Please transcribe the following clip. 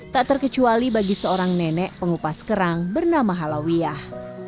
tak terkecuali bagi seorang nenek pengupas kerang bernama halawiyah